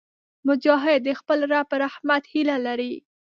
مجاهد د خپل رب په رحمت هیله لري.